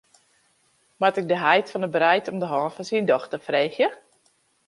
Moat ik de heit fan de breid om de hân fan syn dochter freegje?